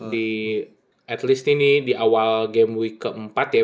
di at least ini di awal game we keempat ya